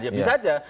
ya bisa aja